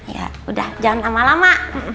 ya udah jangan lama lama